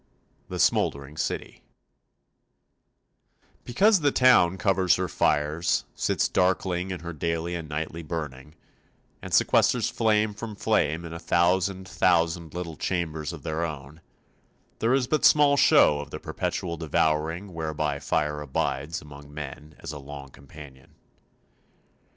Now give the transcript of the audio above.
] THE SMOULDERING CITY Because the town covers her fires, sits darkling in her daily and nightly burning, and sequesters flame from flame in a thousand thousand little chambers of their own, there is but small show of the perpetual devouring whereby fire abides among men as a long companion.